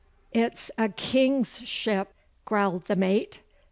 'It's a King's ship,' growled the mate.